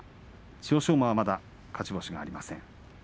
馬はまだ勝ち星がありません。